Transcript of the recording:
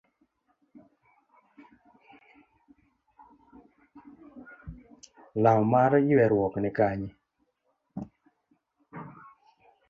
Law mar yueruok ni Kanye?